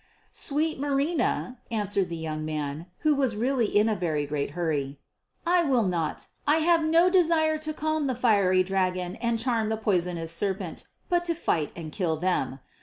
"Sweet Marina," answered the young man, who was really in a very great hurry, "I will not. I have no desire to calm the fiery dragon and charm the poisonous serpent but to fight and kill them.